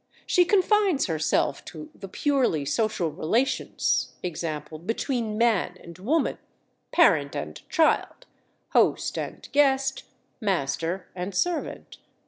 She confines herself to the purely social relations, e. g., between man and woman, parent and child, host and guest, master and servant.